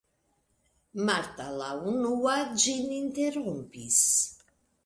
Marta la unua ĝin interrompis.